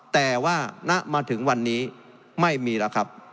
แต่ว่าณมาถึงวันนี้ไม่มีแล้วครับ